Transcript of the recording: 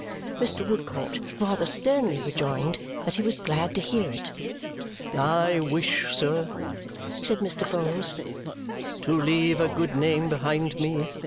Mr. Woodcourt rather sternly rejoined that he was glad to hear it. "I wish, sir," said Mr. Vholes, "to leave a good name behind me.